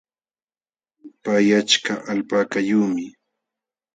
Pay achka alpakayuqmi.